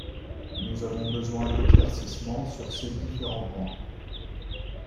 Nous avons besoin d’éclaircissements sur ces différents points.